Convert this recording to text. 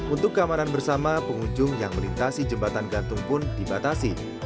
untuk keamanan bersama pengunjung yang melintasi jembatan gantung pun dibatasi